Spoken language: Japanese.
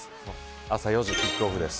朝４時キックオフです。